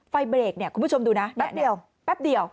ไฟเบรกคุณผู้ชมดูนะแป๊บเดียว